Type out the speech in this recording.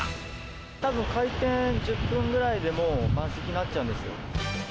たぶん、開店１０分ぐらいでもう満席になっちゃうんですよ。